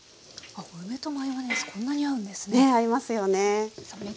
梅とマヨネーズこんなに合うんですね。